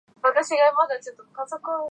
私の名前は教えられません